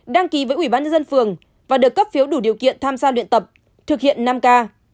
đăng ký với ủy ban nhân dân phường và được cấp phiếu đủ điều kiện tham gia luyện tập thực hiện năm k